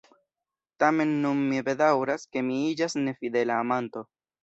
Tamen nun mi bedaŭras, ke mi iĝas nefidela amanto.